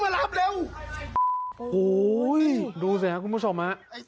โอ้โฮดูสิครับคุณผู้ชม